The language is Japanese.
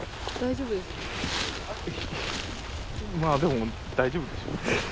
まあでも大丈夫でしょう。